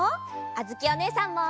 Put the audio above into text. あづきおねえさんも。